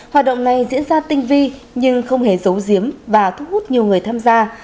hoạt động này diễn ra tinh vi nhưng không hề dấu diếm và thúc hút nhiều người tham gia